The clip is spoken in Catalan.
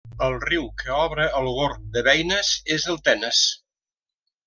El riu que obre el Gorg de Beines és el Tenes.